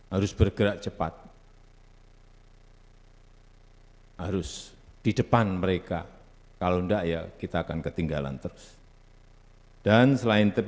harus bergerak cepat harus di depan mereka kalau enggak ya kita akan ketinggalan terus dan selain